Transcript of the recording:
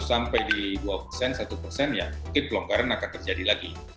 sampai di dua persen satu persen ya mungkin pelonggaran akan terjadi lagi